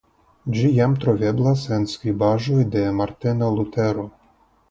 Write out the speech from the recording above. Ĝi jam troveblas en skribaĵoj de Marteno Lutero.